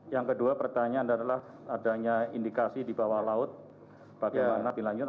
yang kedua pertanyaan adalah adanya indikasi di bawah laut bagaimana dilanjut